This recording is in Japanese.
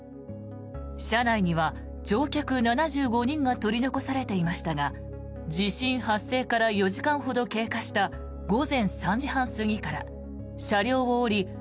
車内には乗客７５人が取り残されていましたが地震発生から４時間ほど経過した午前３時半過ぎから車両を降り